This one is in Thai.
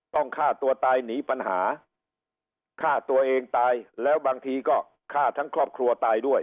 ฆ่าตัวตายหนีปัญหาฆ่าตัวเองตายแล้วบางทีก็ฆ่าทั้งครอบครัวตายด้วย